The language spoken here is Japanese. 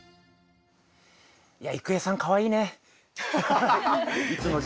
いや郁恵さんかわいいね。